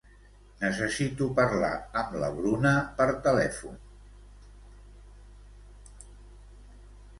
Necessito parlar amb la Bruna per telèfon.